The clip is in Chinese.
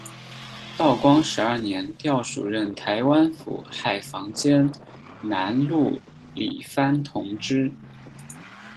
道光十二年调署任台湾府海防兼南路理番同知。